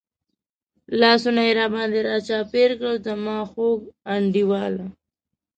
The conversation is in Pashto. لاسونه یې را باندې را چاپېر کړل، زما خوږ انډیواله.